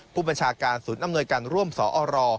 ผู้บัญชาการศูนย์อำนวยการร่วมสอร